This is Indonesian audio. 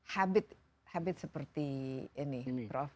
habit habit seperti ini prof